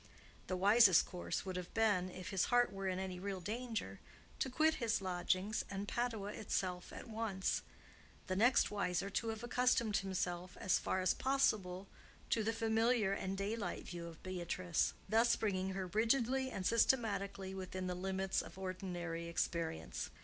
The wisest course would have been, if his heart were in any real danger, to quit his lodgings and Padua itself at once; the next wiser, to have accustomed himself, as far as possible, to the familiar and daylight view of Beatrice—thus bringing her rigidly and systematically within the limits of ordinary experience.